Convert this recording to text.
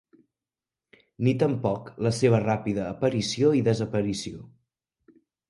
Ni tampoc, la seva ràpida aparició i desaparició.